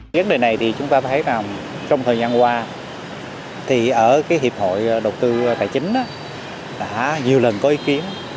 vấn đề này thì chúng ta thấy là trong thời gian qua thì ở cái hiệp hội đầu tư tài chính đã nhiều lần có ý kiến